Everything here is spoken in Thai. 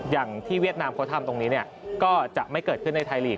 เวียดนามเขาทำตรงนี้ก็จะไม่เกิดขึ้นในไทยลีก